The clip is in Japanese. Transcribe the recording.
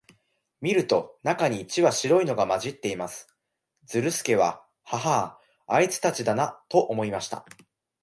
見ると、中に一羽白いのが混じっています。ズルスケは、ハハア、あいつたちだな、と思いました。